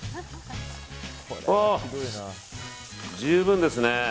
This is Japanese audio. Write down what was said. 十分ですね。